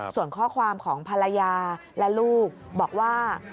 ส่วนข้อความของภรรยาและลูกบอกว่า